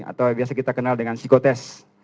atau biasa kita kenal dengan psikotest